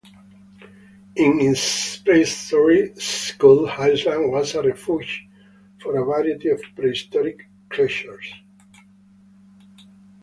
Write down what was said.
In its prehistory, Skull Island was a refuge for a variety of prehistoric creatures.